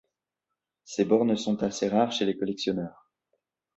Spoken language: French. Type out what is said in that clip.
Ces bornes sont assez rares chez les collectionneurs..